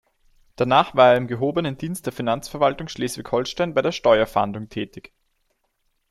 Danach war er im gehobenen Dienst der Finanzverwaltung Schleswig-Holstein bei der Steuerfahndung tätig.